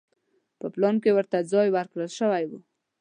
په پلان کې ورته ځای ورکړل شوی و.